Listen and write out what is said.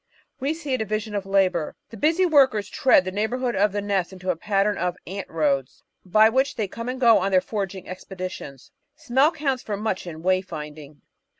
We see a division of labour. The busy workers tread the neighbourhood of the nest into a pattern of "ant roads" by which they come and go on their foraging expeditions. Smell counts for much in way finding.